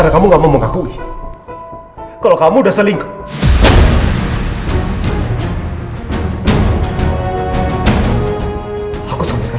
saya gak mau kukukur